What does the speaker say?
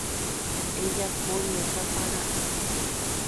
Ejapo letra paraʼi.